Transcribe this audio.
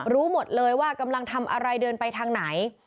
รู้หมดเลยว่ากำลังทำอะไรเดินไปทางไหน